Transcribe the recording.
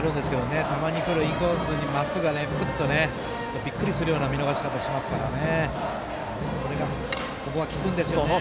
たまにくるインコースにまっすぐ、びっくりするような見逃し方をしますからね。